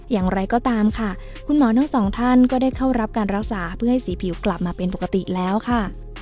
อย่างไรก็ตามค่ะคุณหมอทั้งสองท่านก็ได้เข้ารับการรักษาเพื่อให้สีผิวกลับมาเป็นปกติแล้วค่ะ